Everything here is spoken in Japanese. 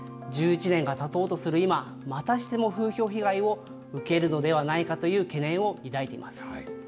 １１年がたとうとする今、またしても風評被害を受けるのではないかという懸念を抱いています。